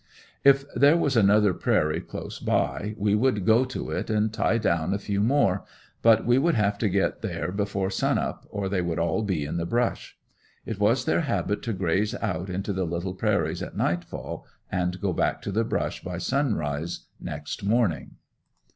If there was another prairie close by we would go to it and tie down a few more, but we would have to get there before sunup or they would all be in the brush. It was their habit to graze out into the little prairies at night fall and go back to the brush by sunrise next morning.